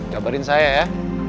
kabarin saya ya